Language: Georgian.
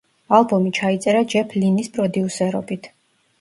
ალბომი ჩაიწერა ჯეფ ლინის პროდიუსერობით.